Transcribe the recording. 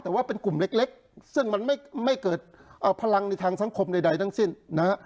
แต่ว่าเป็นกลุ่มเล็กซึ่งมันไม่เกิดพลังในทางสังคมใดทั้งสิ้นนะฮะ